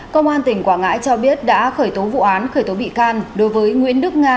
công an tỉnh quảng ngãi cho biết đã khởi tố vụ án khởi tố bị can đối với nguyễn đức nga